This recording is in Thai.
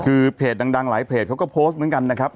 คือเพจดังหลายเพจเขาก็โพสต์เหมือนกันนะครับ